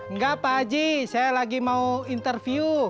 enggak pak haji saya lagi mau interview